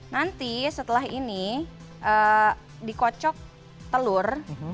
nanti setelah ini dikocok telur